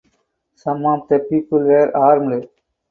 Some of the people were armed.